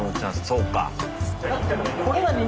そうか。